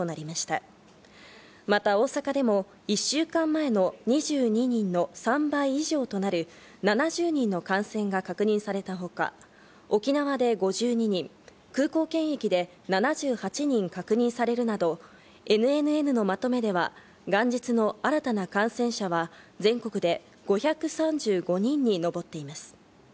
また大阪でも１週間前の２２人の３倍以上となる７０人の感染が確認されたほか、沖縄で５２人、空港検疫で７８人確認されるなど、ＮＮＮのまとめでは、元日の新たな感染者は全国で５３５人にのぼっています。